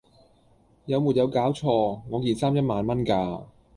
有沒有搞錯!我件衫一萬蚊架